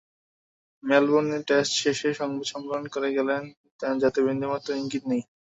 Melbourne test শেষে সংবাদ সম্মেলন করে গেলেন, যাতে বিন্দুমাত্র ইঙ্গিতও নেই।